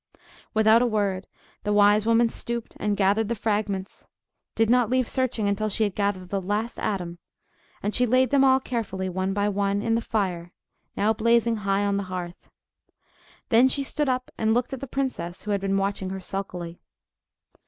Without a word, the wise woman stooped, and gathered the fragments—did not leave searching until she had gathered the last atom, and she laid them all carefully, one by one, in the fire, now blazing high on the hearth. Then she stood up and looked at the princess, who had been watching her sulkily.